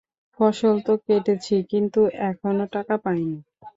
ফসল তো কেটেছি কিন্তু এখনও টাকা পাইনি।